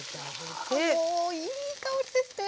もういい香りですね。